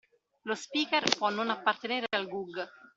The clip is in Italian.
Lo speaker può non appartenere al GUG